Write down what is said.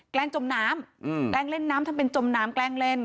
แกล้งจมน้ำแกล้งเล่นน้ำทำเป็นจมน้ำแกล้งเล่น